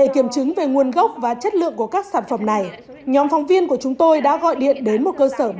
xin chào và hẹn gặp lại trong các video tiếp theo